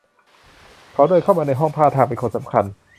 เขาเดินเข้ามาในห้องท่าทางเป็นคนสำคัญ